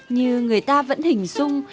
như người ta vẫn hình sung